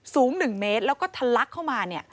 สูง๑เมตรแล้วก็ทะลักเข้ามา